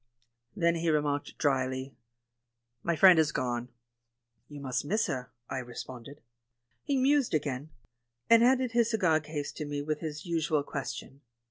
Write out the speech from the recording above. Then he remarked drily, "My friend has gone." "You must miss her," I responded. He mused again, and handed his cigar case to me with his usual question.